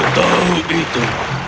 aku tahu itu